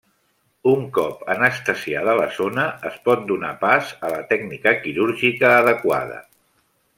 Un cop anestesiada la zona es pot donar pas a la tècnica quirúrgica adequada.